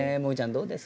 どうですか？